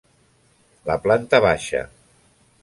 La planta baixa.